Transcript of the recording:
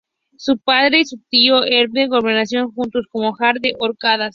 Su padre y su tío, Erlend, gobernaron juntos como jarls de las Orcadas.